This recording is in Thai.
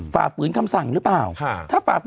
ฝ่าฝืนคำสั่งหรือเปล่า